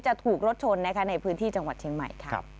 ถูกรถชนในพื้นที่จังหวัดเชียงใหม่ค่ะ